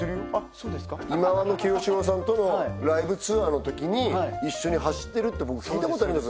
そうですか忌野清志郎さんとのライブツアーの時に一緒に走ってるって僕聞いたことあります